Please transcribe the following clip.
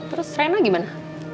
terus rena gimana